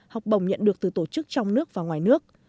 học bổng nhận được từ tổ chức trong nước và ngoài nước